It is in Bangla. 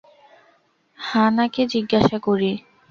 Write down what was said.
হা-না কে জিজ্ঞাসা করি।